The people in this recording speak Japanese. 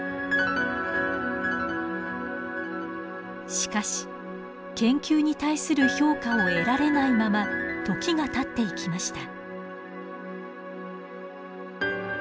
しかし研究に対する評価を得られないまま時がたっていきました。